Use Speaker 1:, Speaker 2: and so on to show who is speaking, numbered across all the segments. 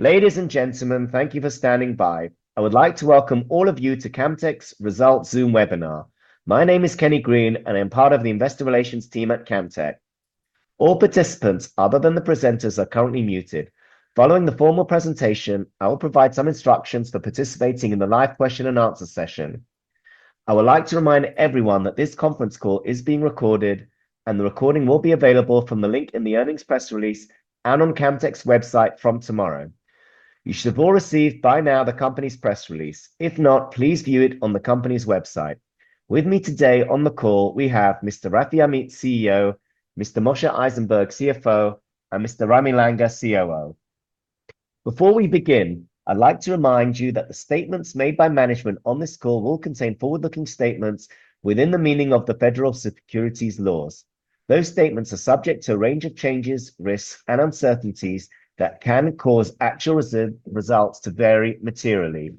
Speaker 1: Ladies and gentlemen, thank you for standing by. I would like to welcome all of you to Camtek's Results Zoom webinar. My name is Kenny Green, and I am part of the investor relations team at Camtek. All participants other than the presenters are currently muted. Following the formal presentation, I will provide some instructions for participating in the live question and answer session. I would like to remind everyone that this conference call is being recorded, and the recording will be available from the link in the earnings press release and on Camtek's website from tomorrow. You should have all received by now the company's press release. If not, please view it on the company's website. With me today on the call we have Mr. Rafi Amit, CEO, Mr. Moshe Eisenberg, CFO, and Mr. Ramy Langer, COO. Before we begin, I'd like to remind you that the statements made by management on this call will contain forward-looking statements within the meaning of the federal securities laws. Those statements are subject to a range of changes, risks, and uncertainties that can cause actual results to vary materially.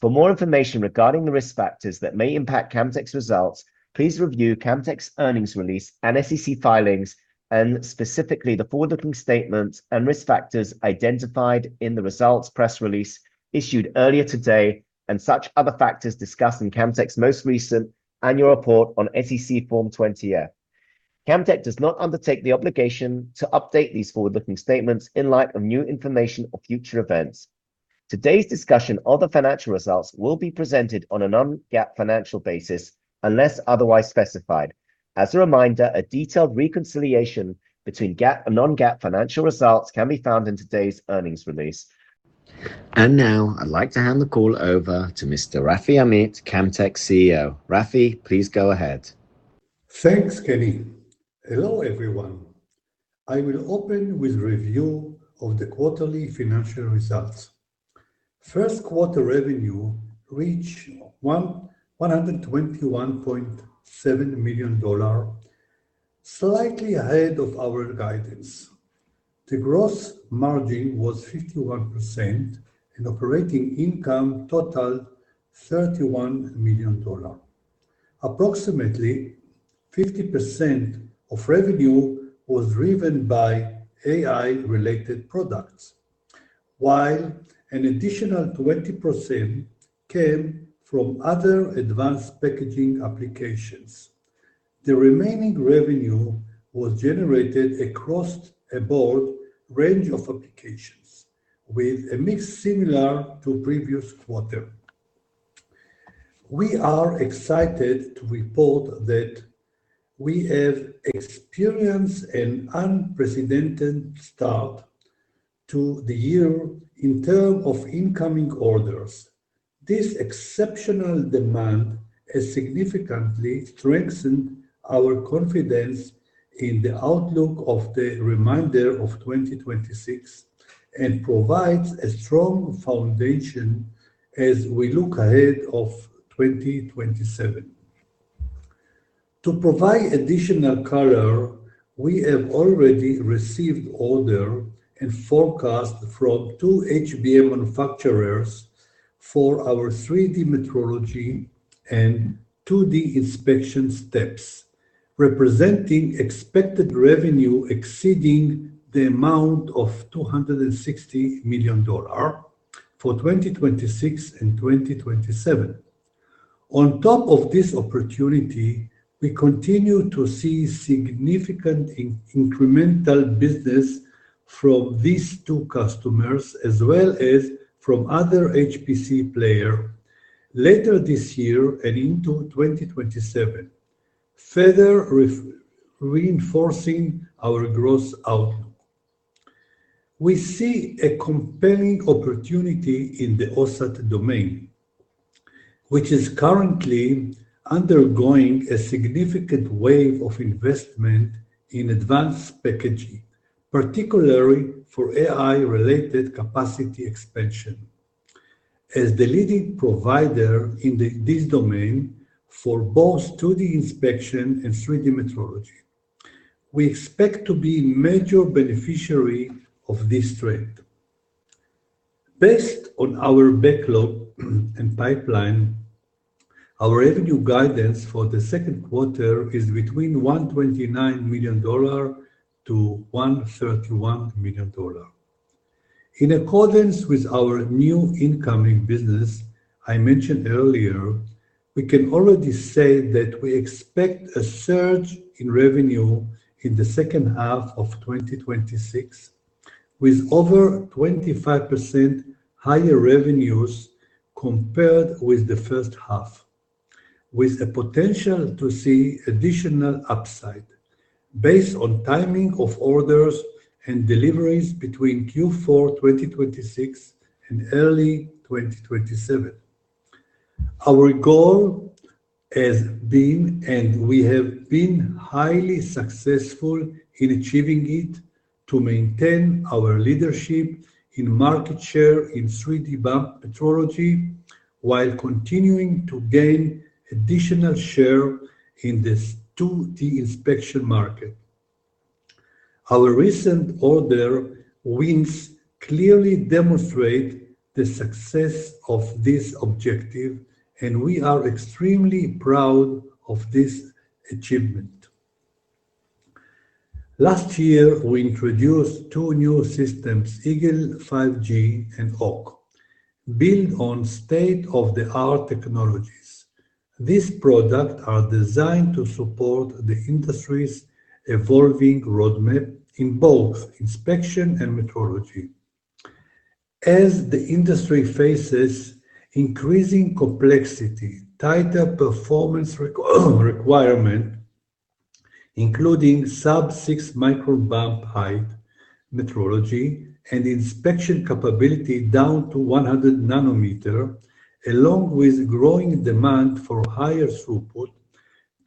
Speaker 1: For more information regarding the risk factors that may impact Camtek's results, please review Camtek's earnings release and SEC filings, and specifically, the forward-looking statements and risk factors identified in the results press release issued earlier today, and such other factors discussed in Camtek's most recent annual report on SEC Form 20-F. Camtek does not undertake the obligation to update these forward-looking statements in light of new information or future events. Today's discussion of the financial results will be presented on a non-GAAP financial basis, unless otherwise specified. As a reminder, a detailed reconciliation between GAAP and non-GAAP financial results can be found in today's earnings release. Now I'd like to hand the call over to Mr. Rafi Amit, Camtek's CEO. Rafi, please go ahead.
Speaker 2: Thanks, Kenny. Hello, everyone. I will open with review of the quarterly financial results. First quarter revenue reached $121.7 million, slightly ahead of our guidance. The gross margin was 51% and operating income totaled $31 million. Approximately 50% of revenue was driven by AI-related products, while an additional 20% came from other advanced packaging applications. The remaining revenue was generated across a broad range of applications with a mix similar to previous quarter. We are excited to report that we have experienced an unprecedented start to the year in term of incoming orders. This exceptional demand has significantly strengthened our confidence in the outlook of the remainder of 2026 and provides a strong foundation as we look ahead of 2027. To provide additional color, we have already received order and forecast from 2 HBM manufacturers for our 3D metrology and 2D inspection steps, representing expected revenue exceeding the amount of $260 million for 2026 and 2027. On top of this opportunity, we continue to see significant incremental business from these 2 customers as well as from other HPC player later this year and into 2027, further reinforcing our growth outlook. We see a compelling opportunity in the OSAT domain, which is currently undergoing a significant wave of investment in advanced packaging, particularly for AI-related capacity expansion. As the leading provider in this domain for both 2D inspection and 3D metrology, we expect to be major beneficiary of this trend. Based on our backlog and pipeline, our revenue guidance for the second quarter is between $129 million-$131 million. In accordance with our new incoming business I mentioned earlier, we can already say that we expect a surge in revenue in the second half of 2026, with over 25% higher revenues compared with the first half, with a potential to see additional upside based on timing of orders and deliveries between Q4 2026 and early 2027. Our goal has been, and we have been highly successful in achieving it, to maintain our leadership in market share in 3D bump metrology while continuing to gain additional share in this 2D inspection market. Our recent order wins clearly demonstrate the success of this objective, and we are extremely proud of this achievement. Last year, we introduced 2 new systems, Eagle G5 and Hawk. Built on state-of-the-art technologies, these product are designed to support the industry's evolving roadmap in both inspection and metrology. As the industry faces increasing complexity, tighter performance requirement, including sub 6 micro bump height metrology and inspection capability down to 100 nanometer, along with growing demand for higher throughput,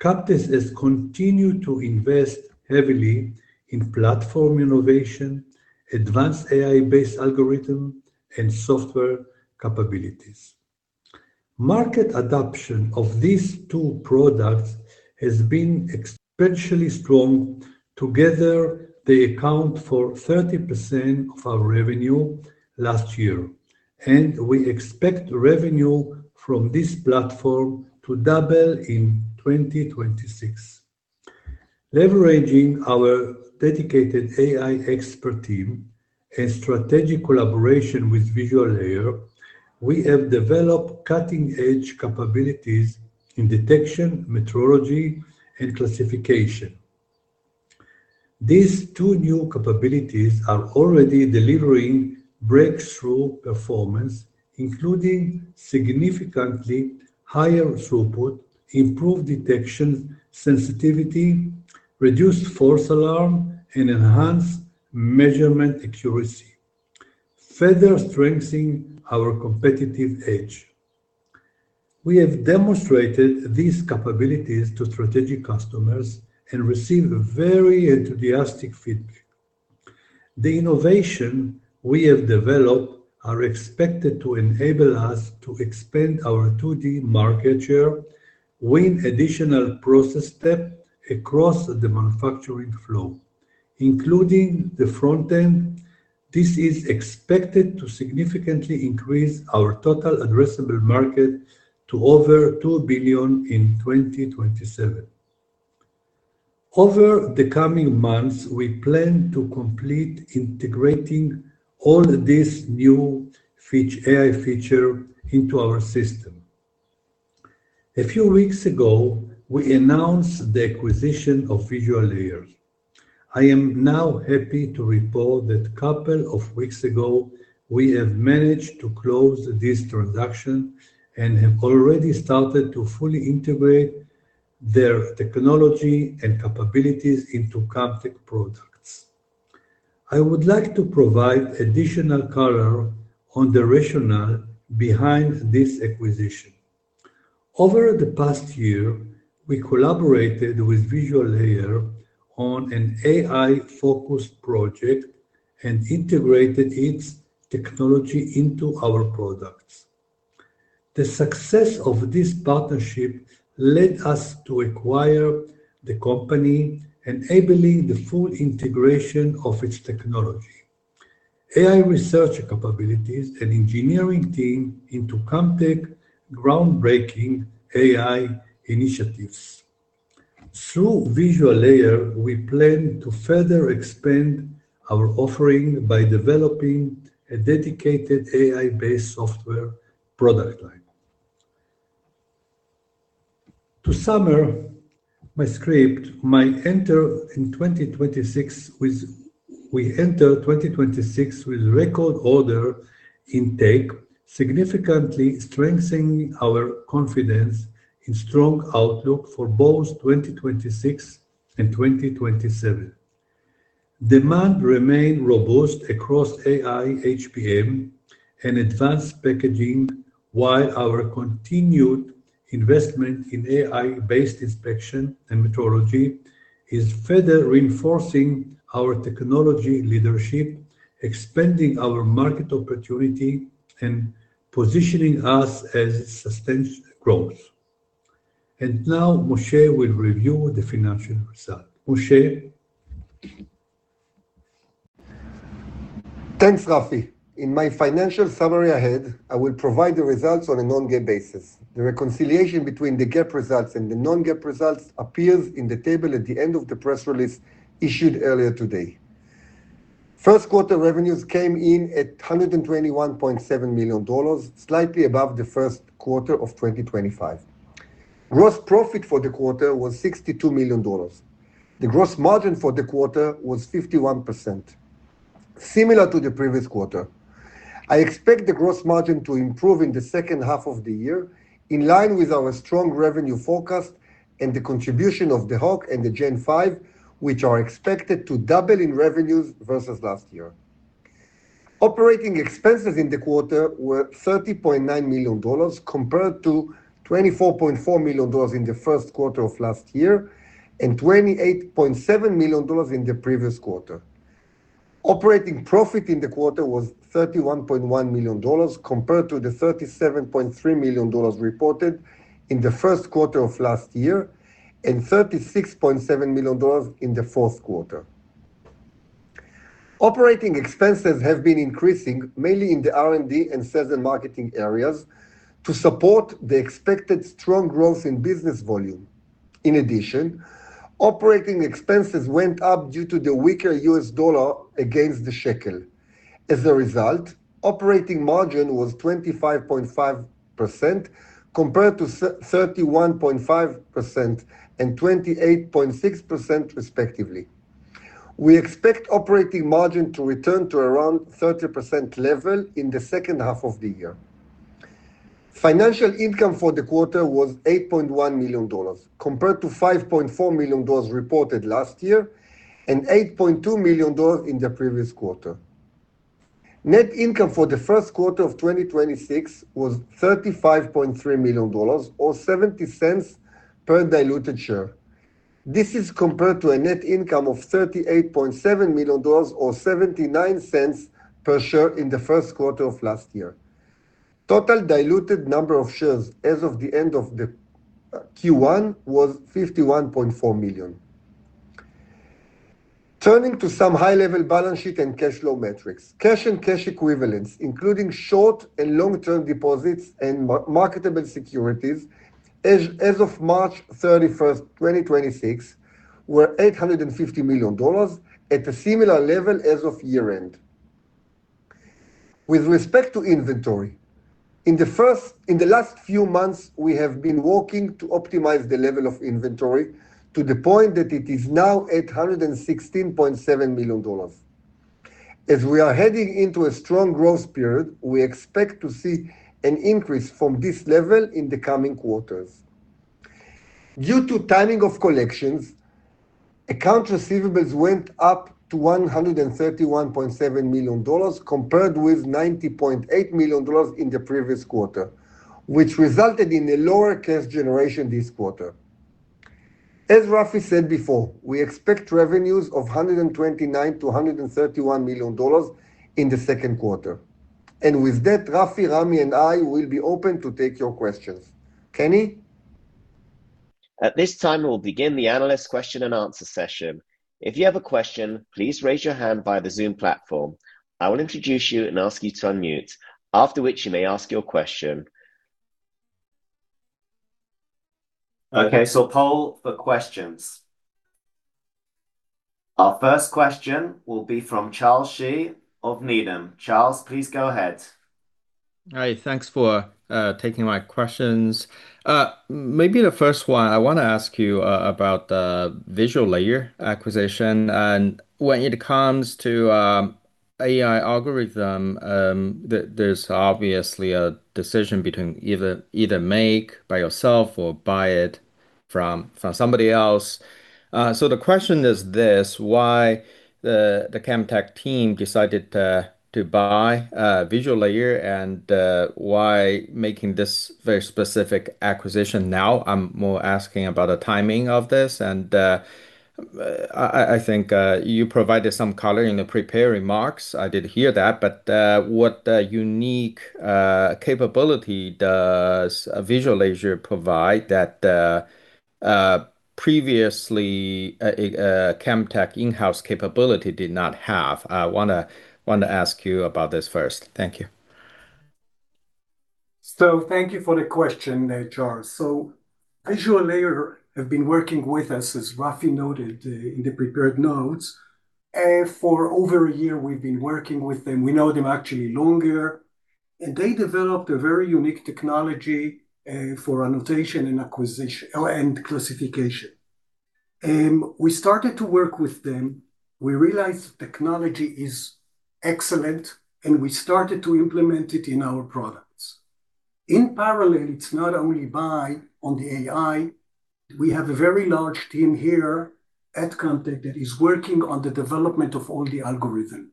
Speaker 2: Camtek has continued to invest heavily in platform innovation, advanced AI-based algorithm, and software capabilities. Market adoption of these 2 products has been exponentially strong. Together, they account for 30% of our revenue last year, and we expect revenue from this platform to double in 2026. Leveraging our dedicated AI expert team and strategic collaboration with Visual Layer, we have developed cutting-edge capabilities in detection, metrology, and classification. These two new capabilities are already delivering breakthrough performance, including significantly higher throughput, improved detection sensitivity, reduced false alarm, and enhanced measurement accuracy, further strengthening our competitive edge. We have demonstrated these capabilities to strategic customers and received very enthusiastic feedback. The innovation we have developed are expected to enable us to expand our 2D market share, win additional process step across the manufacturing flow, including the front end. This is expected to significantly increase our total addressable market to over $2 billion in 2027. Over the coming months, we plan to complete integrating all these new AI feature into our system. A few weeks ago, we announced the acquisition of Visual Layer. I am now happy to report that couple of weeks ago, we have managed to close this transaction and have already started to fully integrate their technology and capabilities into Camtek products. I would like to provide additional color on the rationale behind this acquisition. Over the past year, we collaborated with Visual Layer on an AI-focused project and integrated its technology into our products. The success of this partnership led us to acquire the company, enabling the full integration of its technology, AI research capabilities and engineering team into Camtek groundbreaking AI initiatives. Through Visual Layer, we plan to further expand our offering by developing a dedicated AI-based software product line. To sum up my script, We enter 2026 with record order intake, significantly strengthening our confidence in strong outlook for both 2026 and 2027. Demand remained robust across AI, HBM, and advanced packaging, while our continued investment in AI-based inspection and metrology is further reinforcing our technology leadership, expanding our market opportunity, and positioning us as sustained growth. Now Moshe will review the financial result. Moshe?
Speaker 3: Thanks, Rafi. In my financial summary ahead, I will provide the results on a non-GAAP basis. The reconciliation between the GAAP results and the non-GAAP results appears in the table at the end of the press release issued earlier today. First quarter revenues came in at $121.7 million, slightly above the first quarter of 2025. Gross profit for the quarter was $62 million. The gross margin for the quarter was 51%, similar to the previous quarter. I expect the gross margin to improve in the second half of the year, in line with our strong revenue forecast and the contribution of the Hawk and the Eagle G5, which are expected to double in revenues versus last year. Operating expenses in the quarter were $30.9 million, compared to $24.4 million in the first quarter of last year and $28.7 million in the previous quarter. Operating profit in the quarter was $31.1 million, compared to the $37.3 million reported in the first quarter of last year and $36.7 million in the fourth quarter. Operating expenses have been increasing mainly in the R&D and sales and marketing areas to support the expected strong growth in business volume. In addition, operating expenses went up due to the weaker US dollar against the shekel. As a result, operating margin was 25.5% compared to 31.5% and 28.6% respectively. We expect operating margin to return to around 30% level in the second half of the year. Financial income for the quarter was $8.1 million, compared to $5.4 million reported last year and $8.2 million in the previous quarter. Net income for the first quarter of 2026 was $35.3 million, or $0.70 per diluted share. This is compared to a net income of $38.7 million or $0.79 per share in the first quarter of last year. Total diluted number of shares as of the end of the Q1 was 51.4 million. Turning to some high-level balance sheet and cash flow metrics. Cash and cash equivalents, including short and long-term deposits and marketable securities, as of March 31st, 2026, were $850 million, at a similar level as of year-end. With respect to inventory, In the last few months, we have been working to optimize the level of inventory to the point that it is now at $116.7 million. As we are heading into a strong growth period, we expect to see an increase from this level in the coming quarters. Due to timing of collections, account receivables went up to $131.7 million compared with $90.8 million in the previous quarter, which resulted in a lower cash generation this quarter. As Rafi said before, we expect revenues of $129 million-$131 million in the second quarter. With that, Rafi, Ramy and I will be open to take your questions. Kenny?
Speaker 1: At this time, we'll begin the analyst question and answer session. If you have a question, please raise your hand via the Zoom platform. I will introduce you and ask you to unmute, after which you may ask your question. Okay, poll for questions. Our first question will be from Charles Shi of Needham. Charles, please go ahead.
Speaker 4: Hi. Thanks for taking my questions. Maybe the first one, I want to ask you about the Visual Layer acquisition. When it comes to AI algorithm, there's obviously a decision between either make by yourself or buy it from somebody else. The question is this. Why the Camtek team decided to buy Visual Layer, and why making this very specific acquisition now? I'm more asking about the timing of this. I think you provided some color in the prepared remarks. I did hear that. What unique capability does Visual Layer provide that previously Camtek in-house capability did not have? I want to ask you about this first. Thank you.
Speaker 5: Thank you for the question there, Charles Shi. Visual Layer have been working with us, as Rafi Amit noted, in the prepared notes. For over 1 year we've been working with them. We know them actually longer, and they developed a very unique technology for annotation and acquisition and classification. We started to work with them. We realized the technology is excellent, and we started to implement it in our products. In parallel, it's not only buy on the AI, we have a very large team here at Camtek that is working on the development of all the algorithm.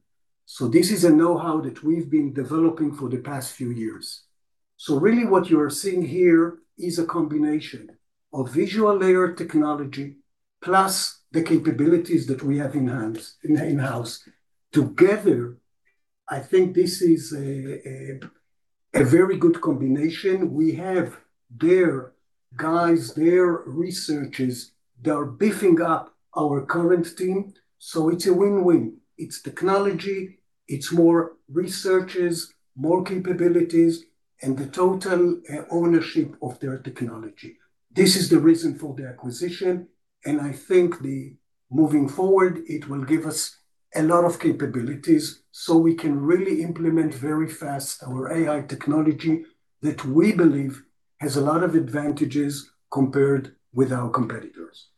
Speaker 5: This is a knowhow that we've been developing for the past few years. Really what you are seeing here is a combination of Visual Layer technology plus the capabilities that we have enhanced in the in-house. Together, I think this is a very good combination. We have their guys, their researchers, they are beefing up our current team, so it's a win-win. It's technology, it's more researchers, more capabilities, and the total ownership of their technology. This is the reason for the acquisition. I think the moving forward, it will give us a lot of capabilities, so we can really implement very fast our AI technology that we believe has a lot of advantages compared with our competitors.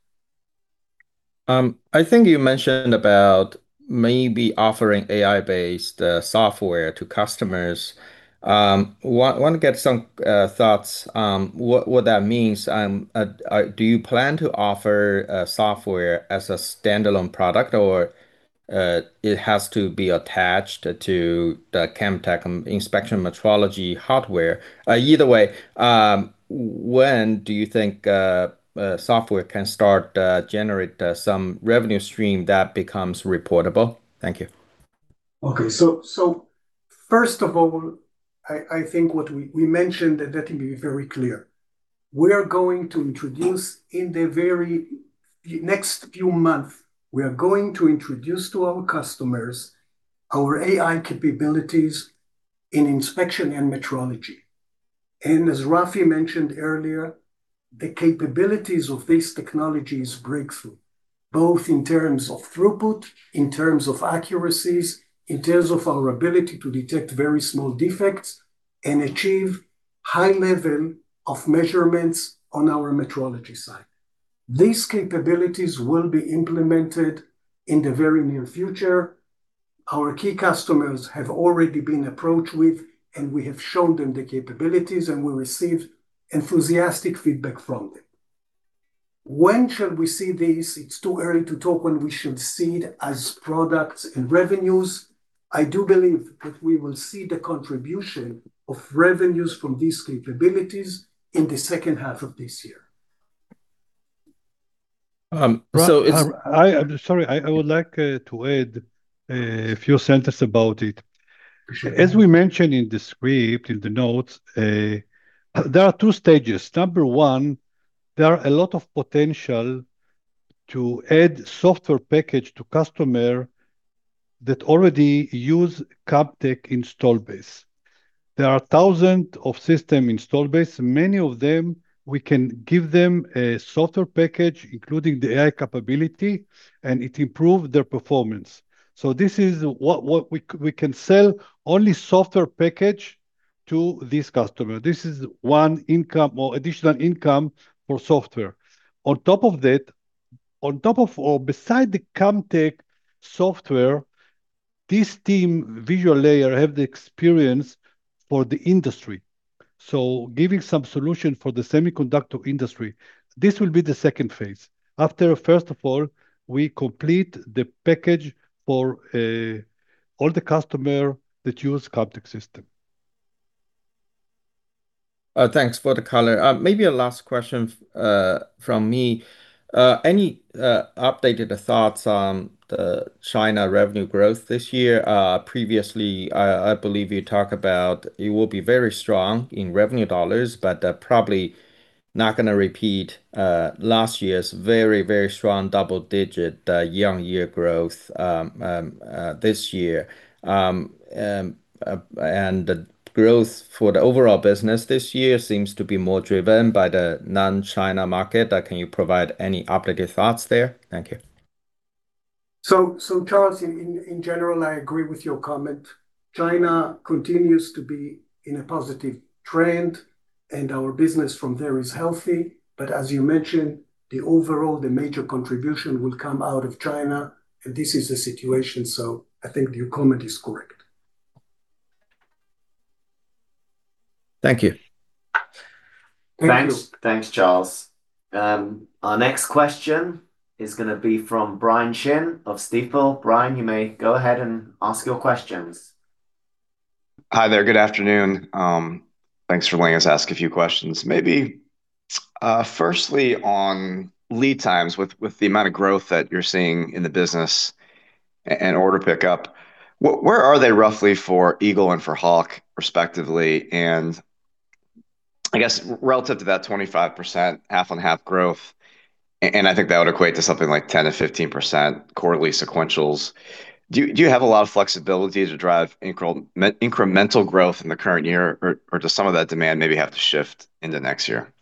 Speaker 4: I think you mentioned about maybe offering AI-based software to customers. Wanna get some thoughts what that means. Do you plan to offer software as a standalone product, or it has to be attached to the Camtek inspection metrology hardware? Either way, when do you think software can start generate some revenue stream that becomes reportable? Thank you.
Speaker 5: Okay. First of all, I think what we mentioned and that can be very clear, we are going to introduce in the very next few month, we are going to introduce to our customers our AI capabilities in inspection and metrology. As Rafi mentioned earlier, the capabilities of these technologies breakthrough, both in terms of throughput, in terms of accuracies, in terms of our ability to detect very small defects and achieve high level of measurements on our metrology side. These capabilities will be implemented in the very near future. Our key customers have already been approached with, and we have shown them the capabilities, and we received enthusiastic feedback from them. When shall we see these? It is too early to talk when we should see it as products and revenues. I do believe that we will see the contribution of revenues from these capabilities in the second half of this year.
Speaker 4: Um, so it's-
Speaker 2: I'm sorry, I would like to add a few sentences about it.
Speaker 5: For sure.
Speaker 2: As we mentioned in the script, in the notes, there are 2 stages. Number 1, there are a lot of potential to add software package to customer that already use Camtek install base. There are 1,000 of system install base, many of them we can give them a software package, including the AI capability, and it improve their performance. This is what we can sell only software package to this customer. This is 1 income or additional income for software. On top of that, on top of or beside the Camtek software, this team Visual Layer have the experience for the industry. Giving some solution for the semiconductor industry, this will be the 2nd phase. After, first of all, we complete the package for all the customer that use Camtek system.
Speaker 4: Thanks for the color. Maybe a last question from me. Any updated thoughts on the China revenue growth this year? Previously, I believe you talk about it will be very strong in revenue dollars, but probably not gonna repeat last year's very, very strong double-digit year-over-year growth this year. The growth for the overall business this year seems to be more driven by the non-China market. Can you provide any updated thoughts there? Thank you.
Speaker 5: Charles, in general, I agree with your comment. China continues to be in a positive trend, and our business from there is healthy. As you mentioned, the overall, the major contribution will come out of China, and this is the situation. I think your comment is correct.
Speaker 4: Thank you.
Speaker 5: Thank you.
Speaker 1: Thanks. Thanks, Charles. Our next question is gonna be from Brian Chin of Stifel. Brian, you may go ahead and ask your questions.
Speaker 6: Hi there. Good afternoon. Thanks for letting us ask a few questions. Maybe, firstly on lead times with the amount of growth that you're seeing in the business and order pickup, where are they roughly for Eagle and for Hawk respectively? I guess relative to that 25% half-on-half growth, and I think that would equate to something like 10%-15% quarterly sequentials, do you have a lot of flexibility to drive incremental growth in the current year or does some of that demand maybe have to shift into next year?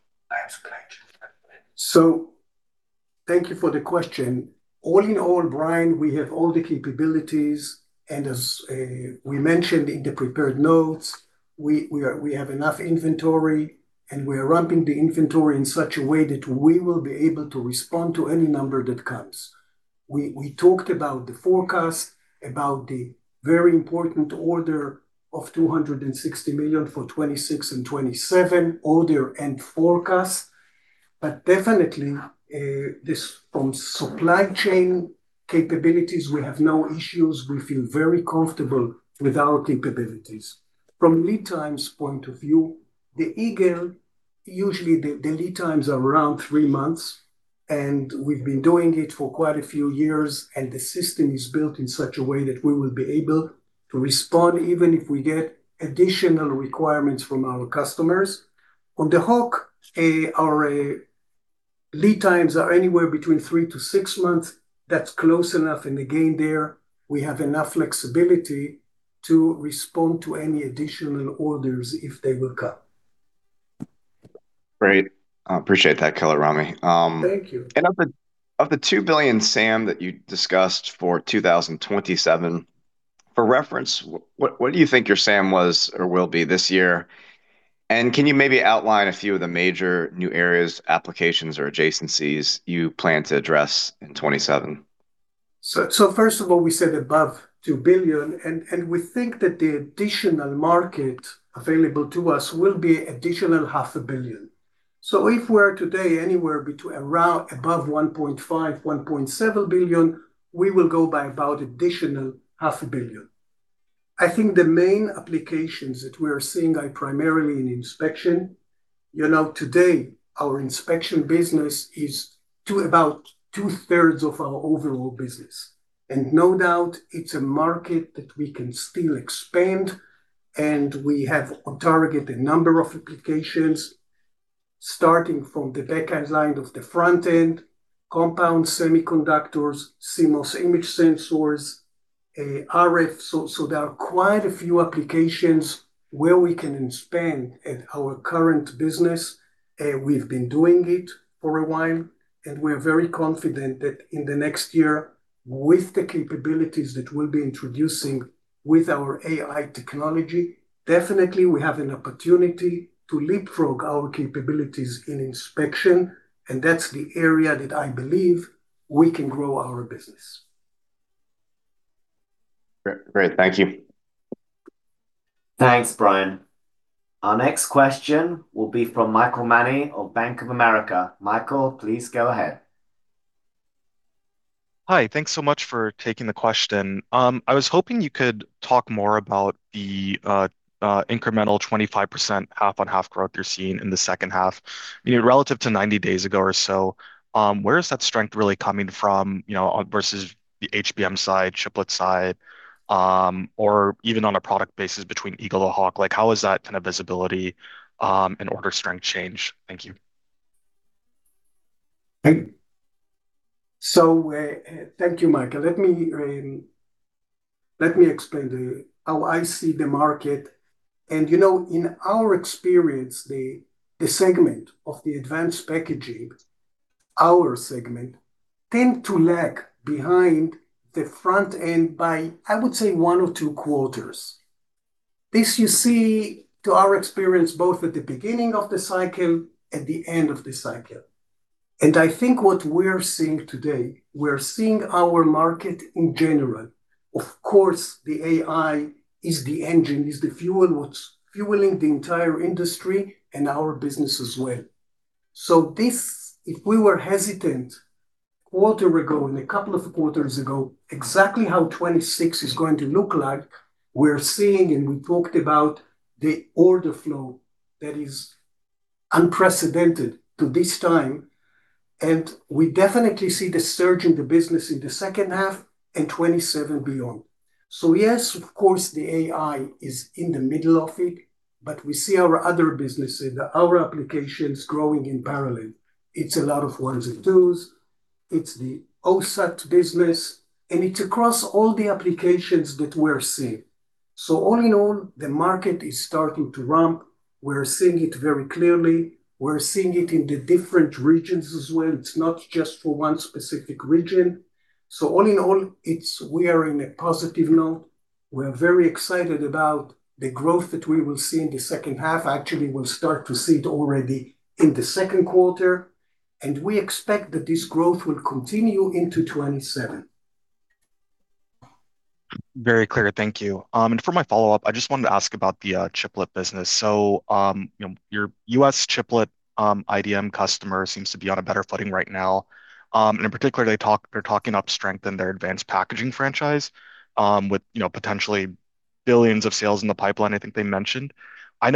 Speaker 5: Thank you for the question, Brian Chin. All in all, Brian Chin, we have all the capabilities, and as we mentioned in the prepared notes, we have enough inventory, and we are ramping the inventory in such a way that we will be able to respond to any number that comes. We talked about the forecast, about the very important order of $260 million for 2026 and 2027 order and forecast. Definitely, this from supply chain capabilities, we have no issues. We feel very comfortable with our capabilities. From lead times point of view, the Eagle, usually the lead times are around three months, and we've been doing it for quite a few years, and the system is built in such a way that we will be able to respond even if we get additional requirements from our customers. On the Hawk, our lead times are anywhere between 3 to 6 months. That's close enough. Again, there we have enough flexibility to respond to any additional orders if they will come.
Speaker 6: Great. I appreciate that, Killaramie.
Speaker 5: Thank you.
Speaker 6: Of the $2 billion SAM that you discussed for 2027, for reference, what do you think your SAM was or will be this year? Can you maybe outline a few of the major new areas, applications, or adjacencies you plan to address in 2027?
Speaker 5: First of all, we said above $2 billion, and we think that the additional market available to us will be additional $0.5 billion. If we're today anywhere between around, above $1.5 billion, $1.7 billion, we will go by about additional $0.5 billion. I think the main applications that we are seeing are primarily in inspection. You know, today our inspection business is to about two-thirds of our overall business, and no doubt it's a market that we can still expand, and we have on target a number of applications starting from the back end line of the front end, compound semiconductors, CMOS image sensors, RF. There are quite a few applications where we can expand at our current business. We've been doing it for a while, and we're very confident that in the next year, with the capabilities that we'll be introducing with our AI technology, definitely we have an opportunity to leapfrog our capabilities in inspection, and that's the area that I believe we can grow our business.
Speaker 6: Great. Thank you.
Speaker 1: Thanks, Brian. Our next question will be from Michael Mani of Bank of America. Michael, please go ahead.
Speaker 7: Hi. Thanks so much for taking the question. I was hoping you could talk more about the incremental 25% half on half growth you're seeing in the second half. You know, relative to 90 days ago or so, where is that strength really coming from, you know, on versus the HBM side, chiplet side, or even on a product basis between Eagle or Hawk? Like, how is that kind of visibility and order strength change? Thank you.
Speaker 5: Thank you, Michael. Let me explain how I see the market. You know, in our experience, the segment of the advanced packaging, our segment tend to lag behind the front end by, I would say, 1 or 2 quarters. This you see to our experience, both at the beginning of the cycle, at the end of the cycle. I think what we're seeing today, we're seeing our market in general. Of course, the AI is the engine, is the fuel, what's fueling the entire industry and our business as well. This, if we were hesitant a quarter ago and a couple of quarters ago, exactly how 2026 is going to look like, we're seeing, and we talked about the order flow that is unprecedented to this time, and we definitely see the surge in the business in the second half and 2027 beyond. Yes, of course, the AI is in the middle of it, but we see our other businesses, our applications growing in parallel. It's a lot of ones and twos. It's the OSAT business, and it's across all the applications that we're seeing. All in all, the market is starting to ramp. We're seeing it very clearly. We're seeing it in the different regions as well. It's not just for one specific region. All in all, it's we are in a positive note. We're very excited about the growth that we will see in the second half. Actually, we'll start to see it already in the second quarter. We expect that this growth will continue into 2027.
Speaker 7: Very clear. Thank you. For my follow-up, I just wanted to ask about the chiplet business. Your U.S. chiplet IDM customer seems to be on a better footing right now. In particular, they're talking up strength in their advanced packaging franchise with potentially $ billions of sales in the pipeline, I think they mentioned. As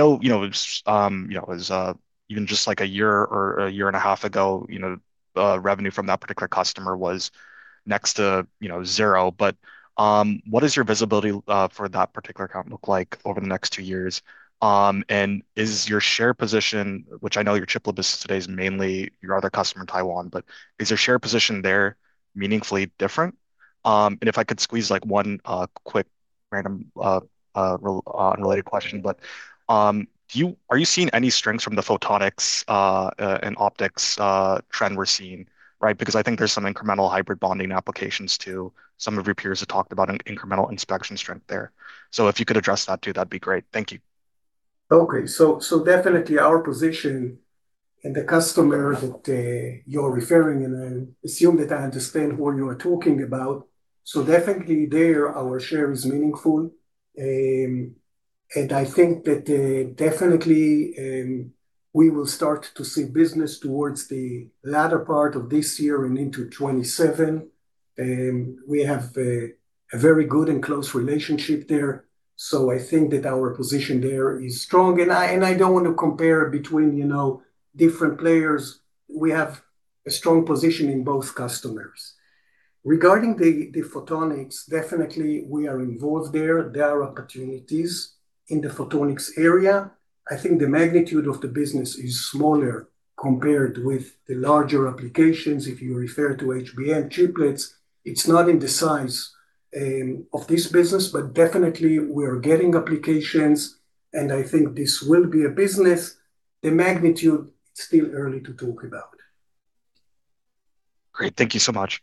Speaker 7: even just like a year or a year and a half ago, revenue from that particular customer was next to zero. What is your visibility for that particular account look like over the next two years? Is your share position, which I know your chiplet business today is mainly your other customer in Taiwan, but is your share position there meaningfully different? If I could squeeze like one quick random unrelated question. Are you seeing any strength from the photonics and optics trend we're seeing? Right. Because I think there's some incremental hybrid bonding applications too. Some of your peers have talked about an incremental inspection strength there. If you could address that too, that'd be great. Thank you.
Speaker 5: Okay. Definitely our position and the customer that you're referring, and I assume that I understand who you are talking about, definitely there our share is meaningful. I think that definitely we will start to see business towards the latter part of this year and into 2027. We have a very good and close relationship there. I think that our position there is strong. I don't want to compare between, you know, different players. We have a strong position in both customers. Regarding the photonics, definitely we are involved there. There are opportunities in the photonics area. I think the magnitude of the business is smaller compared with the larger applications. If you refer to HBM chiplets, it's not in the size of this business, but definitely we are getting applications, and I think this will be a business. The magnitude, it's still early to talk about.
Speaker 7: Great. Thank you so much.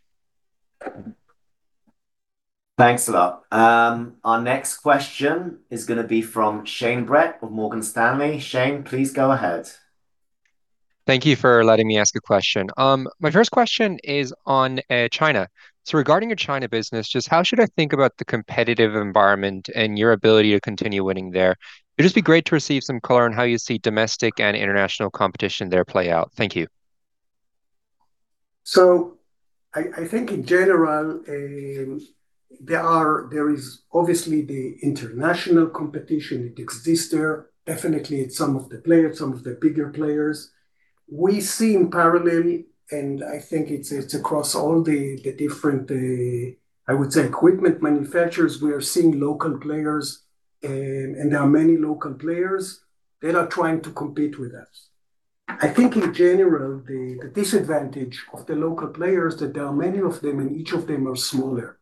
Speaker 1: Thanks a lot. Our next question is gonna be from Shane Brett of Morgan Stanley. Shane, please go ahead.
Speaker 8: Thank you for letting me ask a question. My first question is on China. Regarding your China business, just how should I think about the competitive environment and your ability to continue winning there? It'd just be great to receive some color on how you see domestic and international competition there play out. Thank you.
Speaker 5: I think in general, there is obviously the international competition that exists there. Definitely some of the players, some of the bigger players. We see in parallel, I think it's across all the different, I would say equipment manufacturers, we are seeing local players, and there are many local players that are trying to compete with us. I think in general, the disadvantage of the local players, that there are many of them, and each of them are smaller.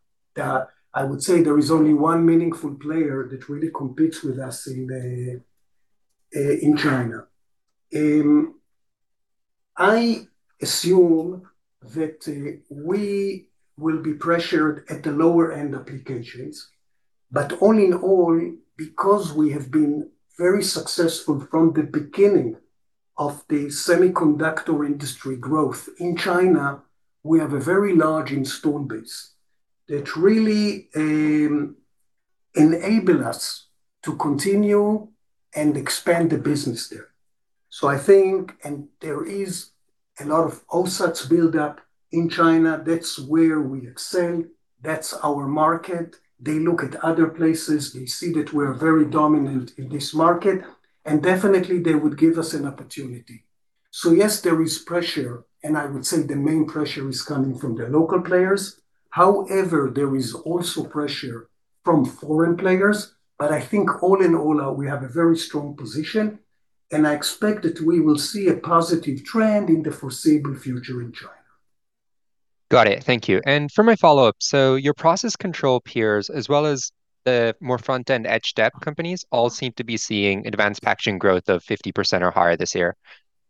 Speaker 5: I would say there is only one meaningful player that really competes with us in China. I assume that we will be pressured at the lower-end applications, but all in all, because we have been very successful from the beginning of the semiconductor industry growth in China, we have a very large install base that really enable us to continue and expand the business there. I think, and there is a lot of OSATs build-up in China. That's where we excel. That's our market. They look at other places, they see that we're very dominant in this market, and definitely they would give us an opportunity. Yes, there is pressure, and I would say the main pressure is coming from the local players. However, there is also pressure from foreign players. I think all in all, we have a very strong position, and I expect that we will see a positive trend in the foreseeable future in China.
Speaker 8: Got it. Thank you. For my follow-up, your process control peers, as well as the more front-end edge SPE companies, all seem to be seeing advanced packaging growth of 50% or higher this year.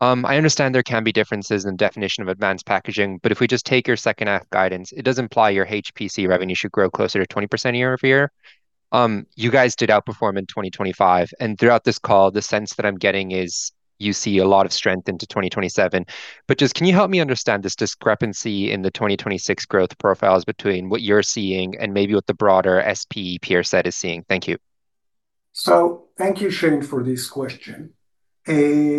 Speaker 8: I understand there can be differences in definition of advanced packaging, if we just take your second half guidance, it does imply your HPC revenue should grow closer to 20% year-over-year. You guys did outperform in 2025, throughout this call, the sense that I'm getting is you see a lot of strength into 2027. Just can you help me understand this discrepancy in the 2026 growth profiles between what you're seeing and maybe what the broader SPE peer set is seeing? Thank you.
Speaker 5: Thank you, Shane, for this question. If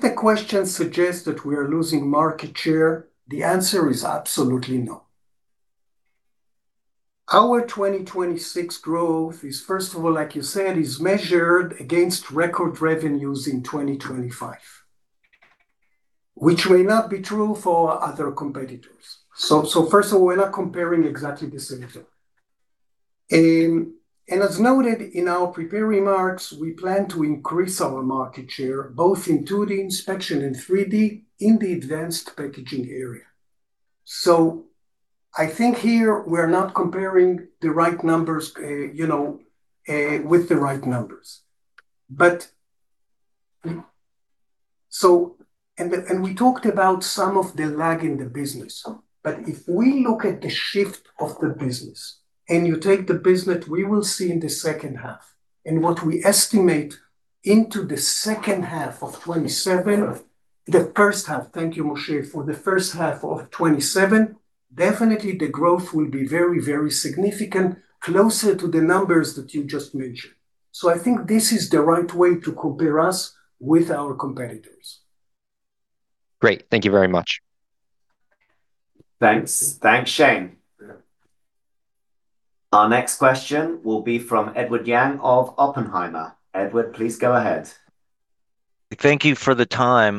Speaker 5: the question suggests that we are losing market share, the answer is absolutely no. Our 2026 growth is, first of all, like you said, is measured against record revenues in 2025, which may not be true for other competitors. First of all, we're not comparing exactly the same thing. As noted in our prepared remarks, we plan to increase our market share both in 2D inspection and 3D in the advanced packaging area. I think here we're not comparing the right numbers, you know, with the right numbers. We talked about some of the lag in the business, but if we look at the shift of the business, and you take the business we will see in the second half, and what we estimate into the second half of 2027 The first half. Thank you, Moshe. For the first half of 2027, definitely the growth will be very, very significant, closer to the numbers that you just mentioned. I think this is the right way to compare us with our competitors.
Speaker 8: Great. Thank you very much.
Speaker 1: Thanks. Thanks, Shane. Our next question will be from Edward Yang of Oppenheimer. Edward, please go ahead.
Speaker 9: Thank you for the time.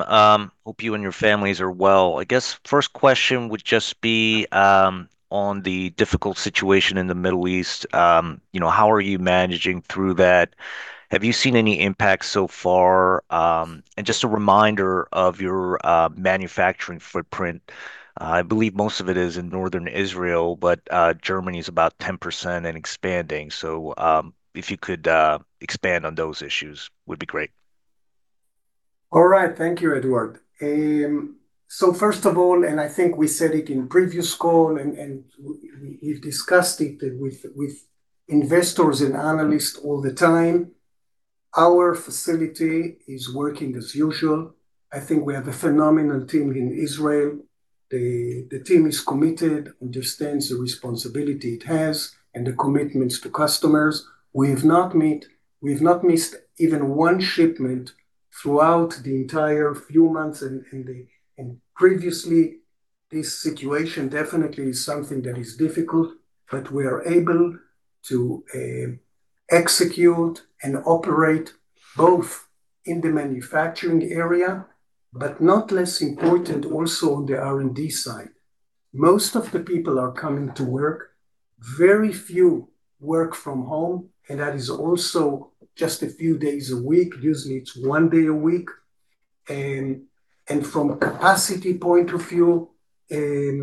Speaker 9: Hope you and your families are well. I guess first question would just be on the difficult situation in the Middle East. You know, how are you managing through that? Have you seen any impact so far? Just a reminder of your manufacturing footprint. I believe most of it is in Northern Israel, but Germany is about 10% and expanding. If you could expand on those issues would be great.
Speaker 5: All right. Thank you, Edward. First of all, I think we said it in previous call, we've discussed it with investors and analysts all the time, our facility is working as usual. I think we have a phenomenal team in Israel. The team is committed, understands the responsibility it has and the commitments to customers. We have not missed even 1 shipment throughout the entire few months. Previously, this situation definitely is something that is difficult, but we are able to execute and operate both in the manufacturing area, but not less important also on the R&D side. Most of the people are coming to work. Very few work from home, that is also just a few days a week. Usually, it's 1 day a week. From a capacity point of view, we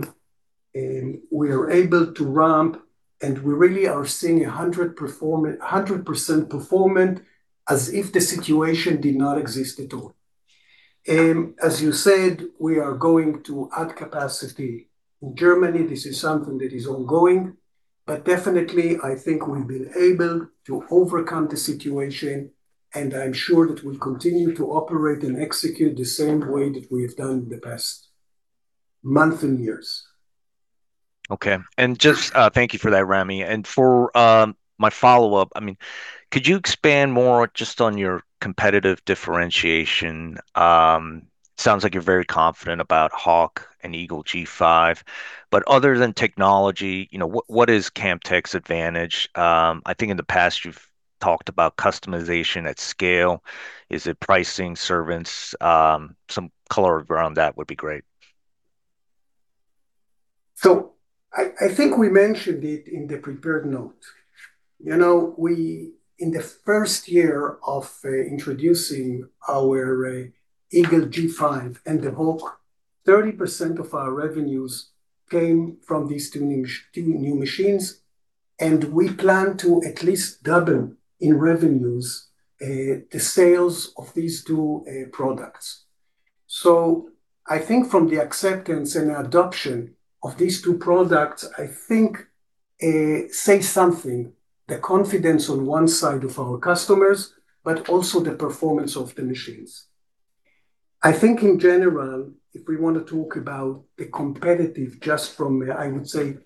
Speaker 5: are able to ramp, and we really are seeing 100% performance as if the situation did not exist at all. As you said, we are going to add capacity in Germany. This is something that is ongoing. Definitely, I think we've been able to overcome the situation, and I'm sure that we'll continue to operate and execute the same way that we have done in the past month and years.
Speaker 9: Okay. Thank you for that, Ramy. For my follow-up, I mean, could you expand more just on your competitive differentiation? Sounds like you're very confident about Hawk and Eagle G5, but other than technology, you know, what is Camtek's advantage? I think in the past you've talked about customization at scale. Is it pricing, service? Some color around that would be great.
Speaker 5: I think we mentioned it in the prepared note. You know, we In the first year of introducing our Eagle G5 and the Hawk, 30% of our revenues came from these two new machines, and we plan to at least double in revenues, the sales of these two products. I think from the acceptance and adoption of these two products, I think say something, the confidence on one side of our customers, but also the performance of the machines. I think in general, if we want to talk about the competitive just from, I would say,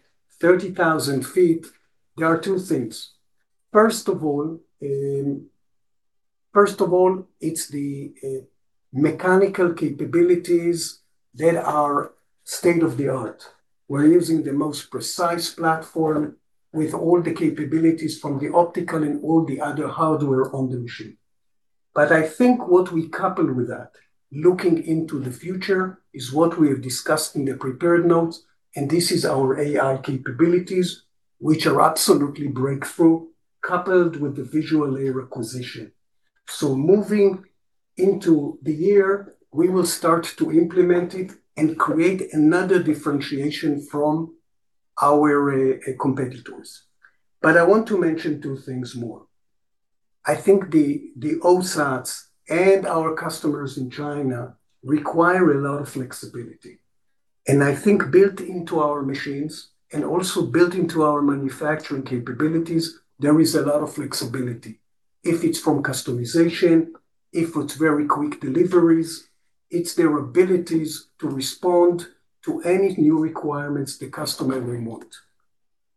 Speaker 5: 30,000 feet, there are two things. First of all, it's the mechanical capabilities that are state-of-the-art. We're using the most precise platform with all the capabilities from the optical and all the other hardware on the machine. I think what we couple with that, looking into the future, is what we have discussed in the prepared notes, and this is our AI capabilities, which are absolutely breakthrough, coupled with the Visual Layer acquisition. Moving into the year, we will start to implement it and create another differentiation from our competitors. I want to mention two things more. I think the OSATs and our customers in China require a lot of flexibility. I think built into our machines, and also built into our manufacturing capabilities, there is a lot of flexibility. If it's from customization, if it's very quick deliveries, it's their abilities to respond to any new requirements the customer may want.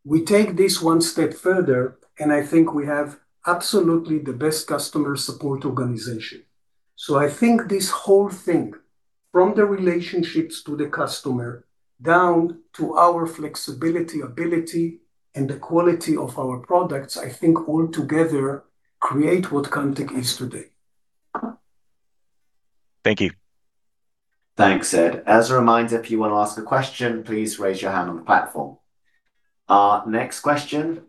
Speaker 5: We take this one step further. I think we have absolutely the best customer support organization. I think this whole thing, from the relationships to the customer down to our flexibility and the quality of our products, I think all together create what Camtek is today.
Speaker 9: Thank you.
Speaker 1: Thanks, Ed. As a reminder, if you want to ask a question, please raise your hand on the platform. Our next question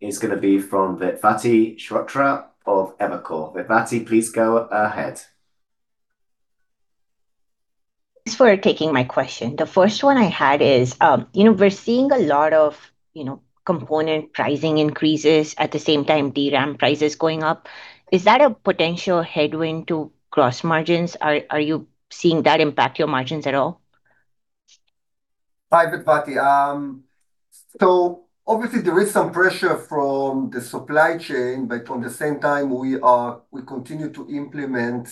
Speaker 1: is going to be from Vedvati Shrotre of Evercore. Vipati, please go ahead.
Speaker 10: Thanks for taking my question. The first one I had is, you know, we're seeing a lot of, you know, component pricing increases, at the same time DRAM prices going up. Is that a potential headwind to gross margins? Are you seeing that impact your margins at all?
Speaker 5: Hi, Vedvati. Obviously there is some pressure from the supply chain, but at the same time we continue to implement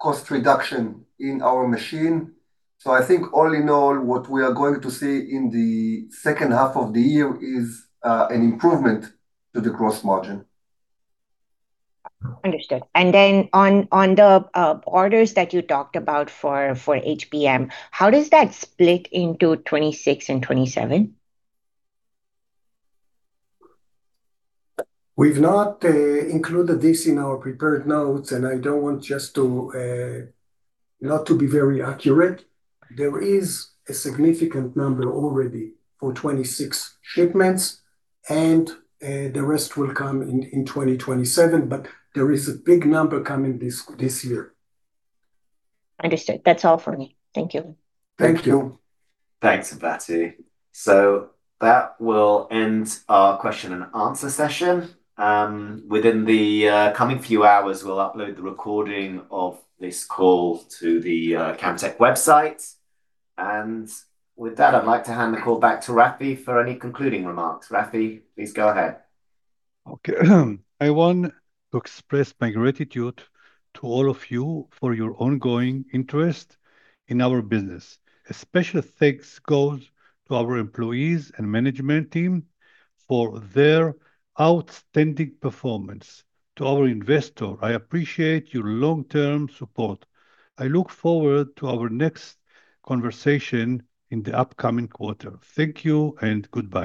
Speaker 5: cost reduction in our machine. I think all in all, what we are going to see in the second half of the year is an improvement to the gross margin.
Speaker 10: Understood. Then on the orders that you talked about for HBM, how does that split into 2026 and 2027?
Speaker 5: We've not included this in our prepared notes, and I don't want just to not to be very accurate. There is a significant number already for 2026 shipments and the rest will come in 2027. There is a big number coming this year.
Speaker 10: Understood. That's all for me. Thank you.
Speaker 5: Thank you.
Speaker 1: Thanks, Vedvati. That will end our question and answer session. Within the coming few hours, we'll upload the recording of this call to the Camtek website. With that, I'd like to hand the call back to Rafi for any concluding remarks. Rafi, please go ahead.
Speaker 2: Okay. I want to express my gratitude to all of you for your ongoing interest in our business. A special thanks goes to our employees and management team for their outstanding performance. To our investor, I appreciate your long-term support. I look forward to our next conversation in the upcoming quarter. Thank you and goodbye.